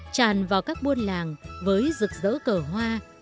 tràn vào các buôn làng với rực rỡ cờ hoa